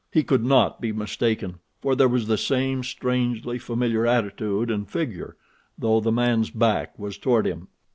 He could not be mistaken, for there was the same strangely familiar attitude and figure, though the man's back was toward him.